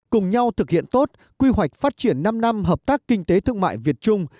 cùng nhau thực hiện tốt quy hoạch phát triển năm năm hợp tác kinh tế thương mại việt trung